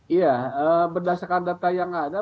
iya berdasarkan data yang ada